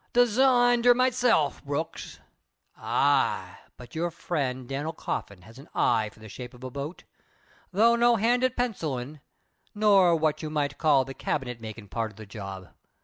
"Designed her myself, Brooks. Eh, but your friend Dan'l Coffin has an eye for the shape of a boat, though no hand at pencilling, nor what you might call the cabinet making part of the job.